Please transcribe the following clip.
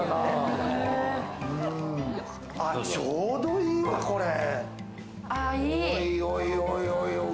ちょうどいいわ、これ。